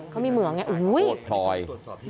เขามีเหมืองเนี่ยโอ้โหโคตรพลอย